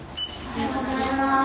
おはようございます。